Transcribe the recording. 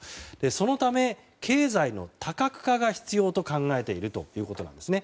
そのため、経済の多角化が必要と考えているということですね。